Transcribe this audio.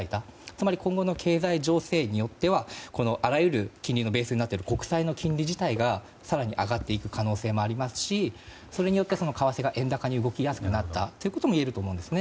つまり今後の経済情勢によってはあらゆる金利のベースになっている国債の金利自体が更に上がっていく可能性もありますしそれによって為替が円高に動きやすくなったこともいえると思うんです。